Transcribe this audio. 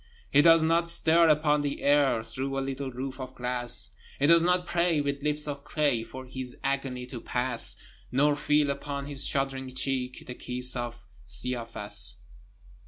He does not stare upon the air Through a little roof of glass; He does not pray with lips of clay For his agony to pass; Nor feel upon his shuddering cheek The kiss of Caiaphas.